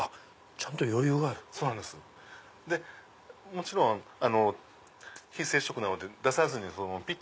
もちろん非接触なので出さずにピッ！